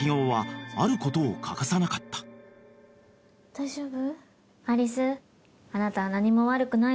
大丈夫？